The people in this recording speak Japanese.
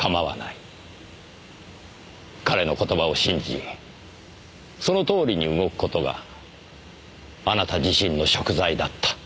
彼の言葉を信じそのとおりに動く事があなた自身の贖罪だった。